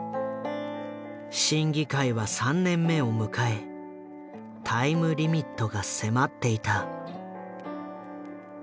審議会は３年目を迎えタイムリミットが迫っていた。